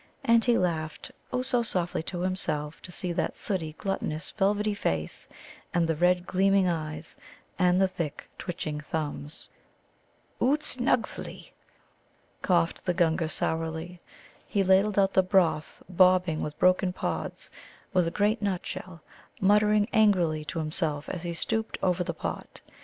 And he laughed, oh, so softly to himself to see that sooty, gluttonous, velvety face, and the red, gleaming eyes, and the thick, twitching thumbs. "Ootz nuggthli!" coughed the Gunga sourly. He ladled out the broth, bobbing with broken pods, with a great nutshell, muttering angrily to himself as he stooped over the pot.